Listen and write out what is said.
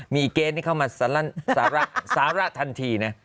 มีเกณฑ์ที่เข้ามาสาระทันทีนะ